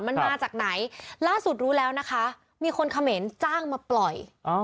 มันมาจากไหนล่าสุดรู้แล้วนะคะมีคนเขมรจ้างมาปล่อย